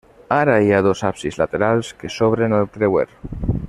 Ara hi ha dos absis laterals, que s'obren al creuer.